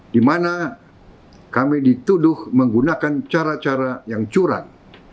di mana kami dituduh menggunakan cara cara yang curang